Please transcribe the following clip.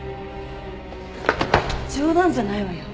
冗談じゃないわよ。